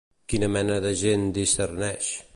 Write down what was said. Quina mena de gent discerneix?